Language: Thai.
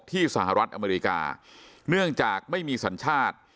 สหรัฐอเมริกาเนื่องจากไม่มีสัญชาติ